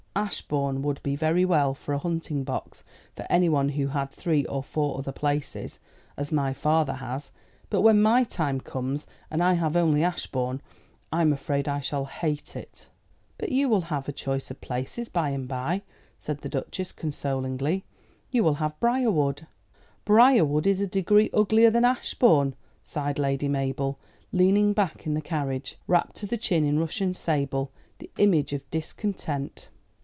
Ashbourne would be very well for a hunting box for anyone who had three or four other places, as my father has; but when my time comes, and I have only Ashbourne, I'm afraid I shall hate it." "But you will have a choice of places by and by," said the Duchess consolingly "You will have Briarwood." "Briarwood is a degree uglier than Ashbourne," sighed Lady Mabel, leaning back in the carriage, wrapped to the chin in Russian sable, the image of discontent.